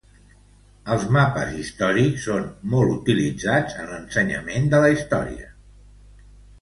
Els mapes històrics són molt utilitzats en l'ensenyament de la història.